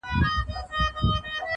لېوه سمبول دنني وحشت ښيي ډېر,